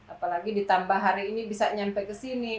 apalagi ditambah hari ini bisa nyampe kesini